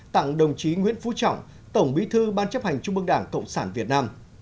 tặng đồng chí nguyễn phú trọng tổng bí thư ban chấp hành trung mương đảng cộng sản việt nam